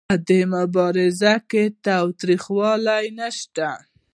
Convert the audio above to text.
په دې مبارزه کې تاوتریخوالی نشته.